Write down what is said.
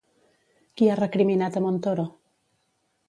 Qui ha recriminat a Montoro?